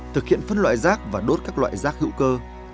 thực hiện phân loại rác và đốt các loại rác hữu cơ